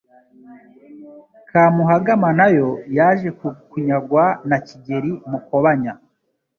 Kamuhagama nayo yaje kunyagwa na Kigeli Mukobanya.